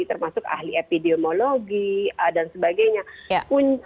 termasuk ahli epidemiologi dan sebagainya